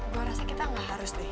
gue rasa kita gak harus deh